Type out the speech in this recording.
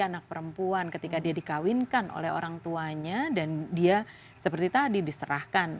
anak perempuan ketika dia dikawinkan oleh orang tuanya dan dia seperti tadi diserahkan